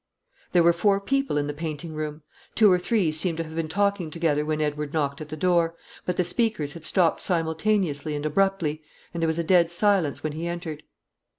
There were four people in the painting room. Two or three seemed to have been talking together when Edward knocked at the door; but the speakers had stopped simultaneously and abruptly, and there was a dead silence when he entered.